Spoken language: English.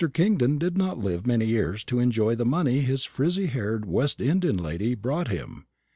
Kingdon did not live many years to enjoy the money his frizzy haired West Indian lady brought him.